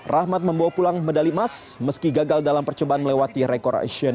rahmat membawa pulang medali emas meski gagal dalam percobaan melewati rekor asian